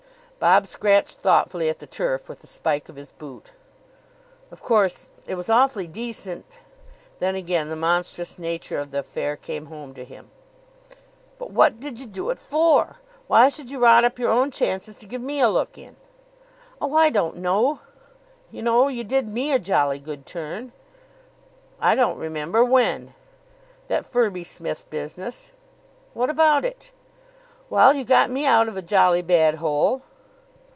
Bob scratched thoughtfully at the turf with a spike of his boot. "Of course, it was awfully decent " Then again the monstrous nature of the affair came home to him. "But what did you do it for? Why should you rot up your own chances to give me a look in?" "Oh, I don't know.... You know, you did me a jolly good turn." "I don't remember. When?" "That Firby Smith business." "What about it?" "Well, you got me out of a jolly bad hole."